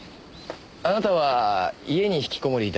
あなたは家に引きこもり